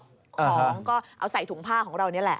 ของก็เอาใส่ถุงผ้าของเรานี่แหละ